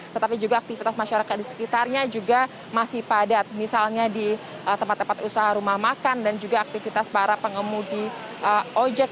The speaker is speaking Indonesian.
tetapi juga aktivitas masyarakat di sekitarnya juga masih padat misalnya di tempat tempat usaha rumah makan dan juga aktivitas para pengemudi ojek